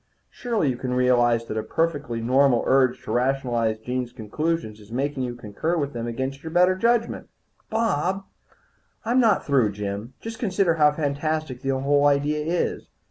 Surely you can realize that a perfectly normal urge to rationalize Jean's conclusions is making you concur with them against your better judgment." "Bob " "I'm not through, Jim. Just consider how fantastic the whole idea is.